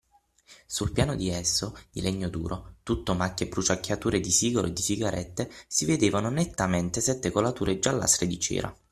Sul piano di esso, di legno duro, tutto macchie e bruciacchiature di sigaro e di sigarette, si vedevano nettamente sette colature giallastre di cera.